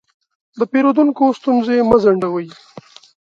د پیرودونکو ستونزې مه ځنډوئ.